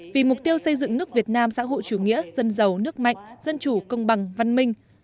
vì mục tiêu xây dựng nước việt nam xã hội chủ nghĩa dân giàu nước mạnh dân chủ công bằng văn minh